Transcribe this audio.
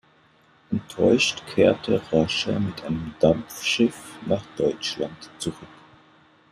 Enttäuscht kehrte Rasche mit einem Dampfschiff nach Deutschland zurück.